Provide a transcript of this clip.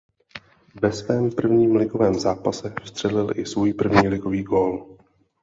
Ve svém prvním ligovém zápase vstřelil i svůj první ligový gól.